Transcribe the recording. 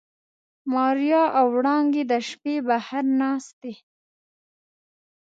ماريا او وړانګې د شپې بهر ناستې.